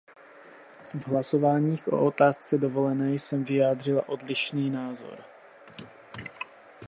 V hlasováních o otázce dovolené jsem vyjádřila odlišný názor.